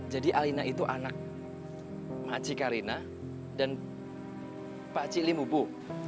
jadi alina itu anak makcik alina dan pakcik limu bu